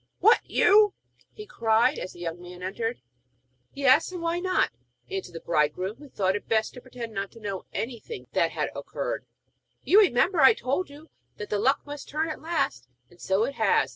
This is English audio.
'What, you?' he cried, as the young man entered. 'Yes, I. Why not?' asked the bridegroom, who thought it best to pretend not to know anything that had occurred. 'You remember, I told you that the luck must turn at last, and so it has.